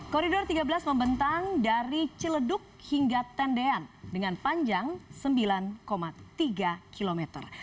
koridor tiga belas membentang dari ciledug hingga tendean dengan panjang sembilan tiga km